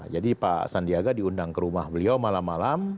jadi pak sandiaga diundang ke rumah beliau malam malam